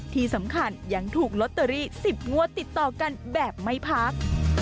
ที่สำคัญยังถูกลอตเตอรี่๑๐งวดติดต่อกันแบบไม่พัก